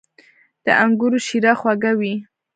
• د انګورو شیره خوږه وي.